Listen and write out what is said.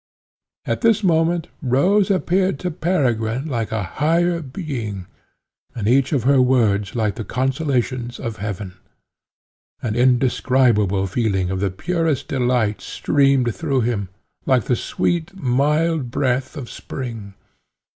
At this moment Rose appeared to Peregrine like a higher being, and each of her words like the consolations of Heaven. An indescribable feeling of the purest delight streamed through him, like the sweet mild breath of spring.